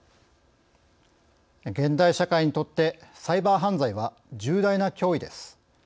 現代社会にとってサイバー犯罪は重大な脅威です。